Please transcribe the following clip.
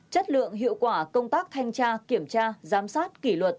chất lượng hiệu quả công tác thanh tra kiểm tra giám sát kỷ luật